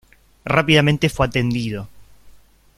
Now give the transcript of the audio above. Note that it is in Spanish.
Rápidamente fue atendido.